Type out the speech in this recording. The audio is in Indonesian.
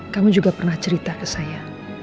kamu juga pernah cerita ke saya